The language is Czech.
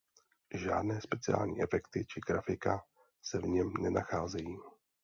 Žádné speciální efekty či grafika se v něm nenacházejí.